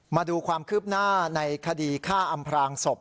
มาดูความคืบหน้าในคดีฆ่าอำพรางศพ